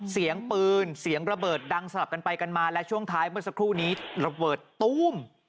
เสียงปืนเสียงระเบิดดังสลับกันไปกันมาและช่วงท้ายเมื่อสักครู่นี้ระเบิดตู้ม